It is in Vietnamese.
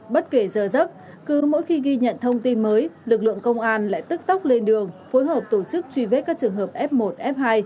bất kể giờ giấc cứ mỗi khi ghi nhận thông tin mới lực lượng công an lại tức tốc lên đường phối hợp tổ chức truy vết các trường hợp f một f hai